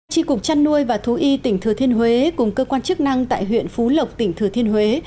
tri cục chăn nuôi và thú y tỉnh thừa thiên huế cùng cơ quan chức năng tại huyện phú lộc tỉnh thừa thiên huế